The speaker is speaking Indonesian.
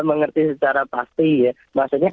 mengerti secara pasti ya maksudnya